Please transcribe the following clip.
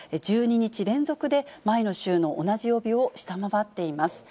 １２日連続で前の週の同じ曜日を下回っています。